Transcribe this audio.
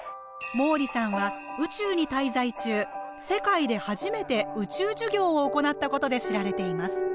毛利さんは宇宙に滞在中世界で初めて「宇宙授業」を行ったことで知られています。